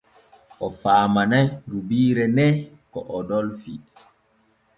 O faamanay rubiire ne ko o dolfii.